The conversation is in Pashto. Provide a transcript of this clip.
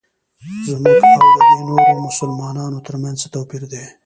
زموږ او ددې نورو مسلمانانو ترمنځ څه توپیر دی.